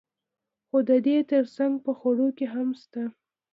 خو د دې ترڅنګ په خوړو کې هم شته.